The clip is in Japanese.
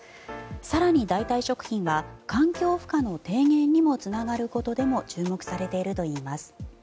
更に代替食品は環境負荷の低減につながることでも注目されているといいます。